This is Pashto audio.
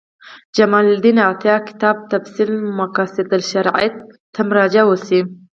جمال الدین عطیه کتاب تفعیل مقاصد الشریعة ته مراجعه وشي.